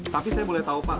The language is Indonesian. tapi saya boleh tahu pak